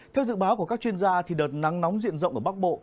theo dự báo của các chuyên gia đợt nắng nóng diện rộng ở bắc bộ